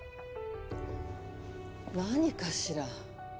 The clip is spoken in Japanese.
何かしら？